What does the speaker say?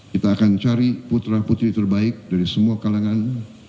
kita akan cari putra putri terbaik dari semua kalangan